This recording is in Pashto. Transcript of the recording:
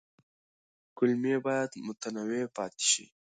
کولمې باید متنوع پاتې شي.